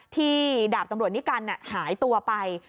ดาบตำรวจนิกัลหายตัวไป